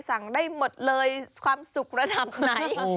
สั่งได้หมดเลยความสุขระดับไหน